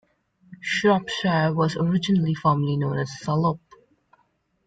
Shropshire was originally formally known as 'Salop'.